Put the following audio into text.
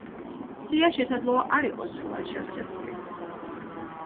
სია შესაძლოა არ იყოს სრულად შევსებული.